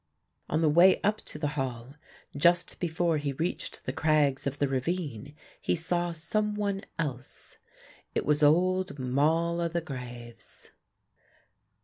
On the way up to the Hall, just before he reached the crags of the ravine he saw some one else. It was old "Moll o' the graves."